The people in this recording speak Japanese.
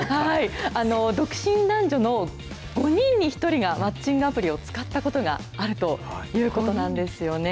独身男女の５人に１人がマッチングアプリを使ったことがあるということなんですよね。